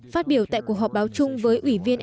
phát biểu tại cuộc họp báo chung với ủy viên